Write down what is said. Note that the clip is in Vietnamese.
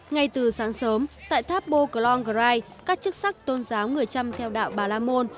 ngay từ sáng sớm tại tháp polongkrai các chức sắc tôn giáo người tràm theo đạo bà lamôn